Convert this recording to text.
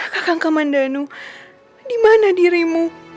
kakang kaman danu di mana dirimu